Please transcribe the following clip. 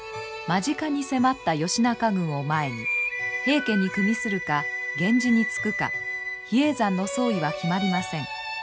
間近に迫った義仲軍を前に平家にくみするか源氏につくか比叡山の総意は決まりません。